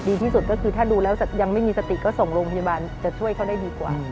ที่สุดก็คือถ้าดูแล้วยังไม่มีสติก็ส่งโรงพยาบาลจะช่วยเขาได้ดีกว่า